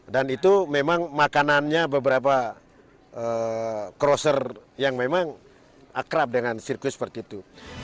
dan itu memang makanannya beberapa crosser yang memang akrab dengan sirkuit seperti itu